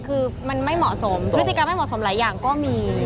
คือมันไม่เหมาะสมพฤติกรรมไม่เหมาะสมหลายอย่างก็มี